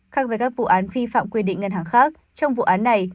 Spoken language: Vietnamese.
khác với các vụ án vi phạm quy định ngân hàng khác trong vụ án này